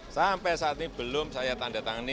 sampai saat ini belum saya tandatangani